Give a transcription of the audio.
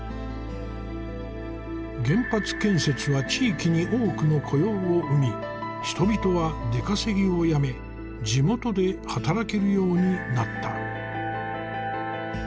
原発建設は地域に多くの雇用を生み人々は出稼ぎをやめ地元で働けるようになった。